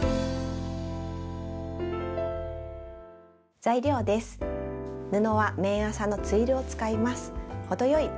材料です。